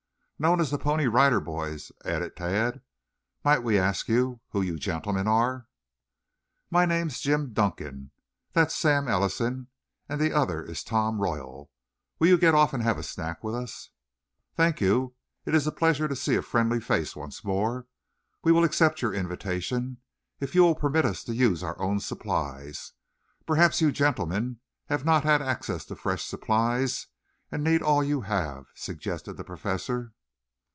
"Known as the Pony Rider Boys," added Tad. "Might we ask who you gentlemen are?" "My name's Jim Dunkan. That's Sam Ellison, and the other is Tom Royal. Will you get off and have a snack with us?" "Thank you. It is a pleasure to see a friendly face once more. We will accept your invitation if you will permit us to use our own supplies. Perhaps you gentlemen have not had access to fresh supplies and need all you have," suggested the Professor.